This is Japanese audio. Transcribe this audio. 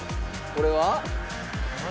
これは？何？